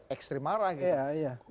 ekstrim marah gitu iya iya